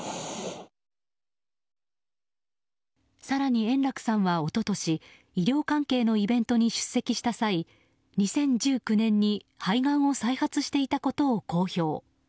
更に円楽さんは一昨年医療関係のイベントに出席した際２０１９年に肺がんを再発していたことを公表。